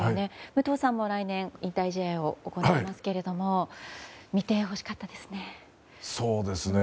武藤さんも来年引退試合を行われますけど見てほしかったですね。